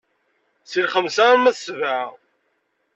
Seg lxemsa arma d ssebɛa.